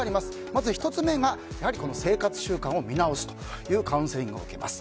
まず１つ目が生活習慣を見直すというカウンセリングを受けます。